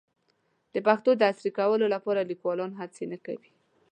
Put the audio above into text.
د پښتو د عصري کولو لپاره لیکوالان هڅې نه کوي.